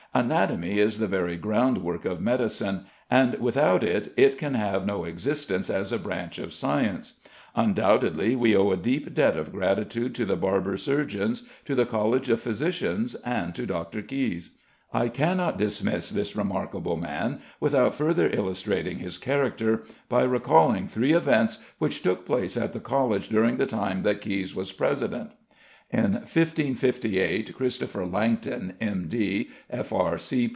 Anatomy is the very groundwork of medicine, and without it it can have no existence as a branch of science. Undoubtedly we owe a deep debt of gratitude to the Barber Surgeons, to the College of Physicians, and to Dr. Caius. I cannot dismiss this remarkable man without further illustrating his character by recalling three events which took place at the College during the time that Caius was president. In 1558, Christopher Langton, M.D., F.R.